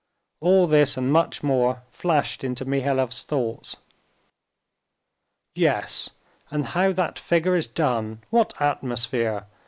All this and much more flashed into Mihailov's thoughts. "Yes, and how that figure is done—what atmosphere!